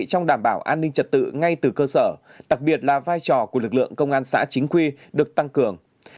trong đảm bảo an ninh trật tự ngay từ cơ sở đặc biệt là vai trò của lực lượng công an xã chính quy được tăng cường